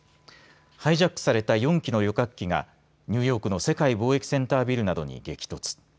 ハイジャックされた４機の旅客機がニューヨークの世界貿易センタービルなどに激突。